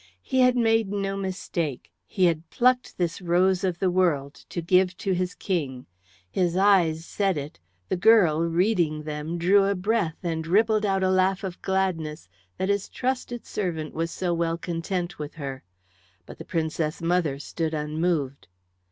He had made no mistake; he had plucked this rose of the world to give to his King. His eyes said it; and the girl, reading them, drew a breath and rippled out a laugh of gladness that his trusted servant was so well content with her. But the Princess mother stood unmoved.